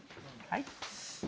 はい。